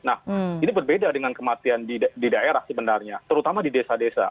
nah ini berbeda dengan kematian di daerah sebenarnya terutama di desa desa